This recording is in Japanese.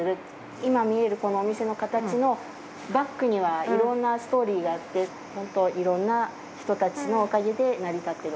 今見えるこのお店の形のバックには、いろんなストーリーがあって、本当、いろんな人たちのおかげで成り立ってる